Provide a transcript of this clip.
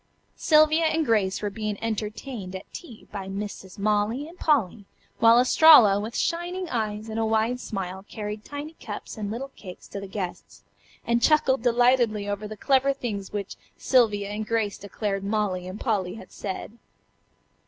Sylvia and Grace were being entertained at tea by Misses Molly and Polly, while Estralla with shining eyes and a wide smile carried tiny cups and little cakes to the guests, and chuckled delightedly over the clever things which Sylvia and Grace declared Molly and Polly had said.